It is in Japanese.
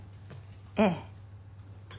ええ。